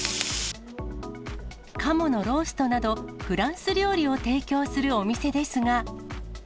カモのローストなど、フランス料理を提供するお店ですが。